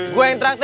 gue yang traktir